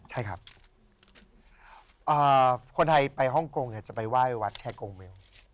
ใช่ครับคนไทยไปฮ่องกงจะไปไหว้วัดแชร์กงเมล